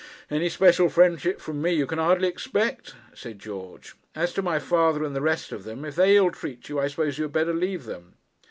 'Any special friendship from me you can hardly expect,' said George. 'As to my father and the rest of them, if they ill treat you, I suppose you had better leave them.'